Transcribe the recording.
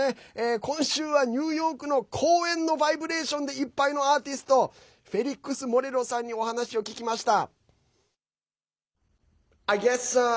今週は、ニューヨークの公園のバイブレーションでいっぱいのアーティストフェリックス・モレロさんにお話を聞きました。